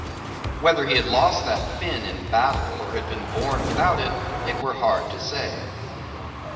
Whether he had lost that fin in battle, or had been born without it, it were hard to say.